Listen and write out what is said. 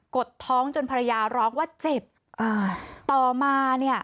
ดท้องจนภรรยาร้องว่าเจ็บอ่าต่อมาเนี่ย